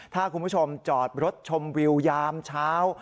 ถ้าคุณผู้ชมจอดรถชมวิวยามเช้า